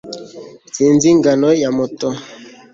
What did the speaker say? sinzi ingano ya moto